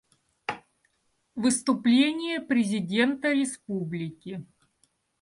Выступление президента Республики.